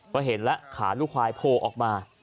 ก็เห็นแล้วขาลูกควายโผล่ออกมา